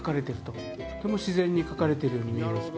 とても自然に描かれてるように見えます。